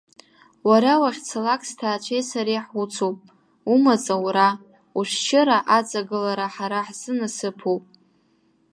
Уара уахьцалак сҭаацәеи сареи ҳуцуп, умаҵ аура, ушәшьыра аҵагылара ҳара ҳзы насыԥуп!